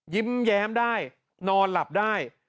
ยิ้มแย้มได้นอนหลับได้